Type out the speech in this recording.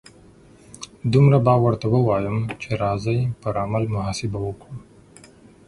دومره به ورته ووایم چې راځئ پر عمل محاسبه وکړو.